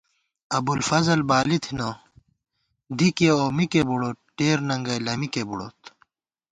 ابُوالفضل بالی تھنہ دِکےاؤ مِکےبُڑوت ٹېر ننگئ لَمِکےبُڑوت